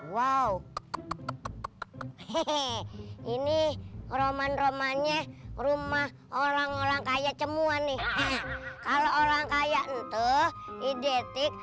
wow hehehe ini roman roman nya rumah orang orang kaya cemuan nih kalau orang kaya itu identik